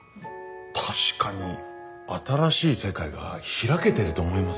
確かに新しい世界が開けていると思います。